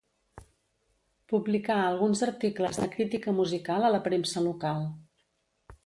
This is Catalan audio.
Publicà alguns articles de crítica musical a la premsa local.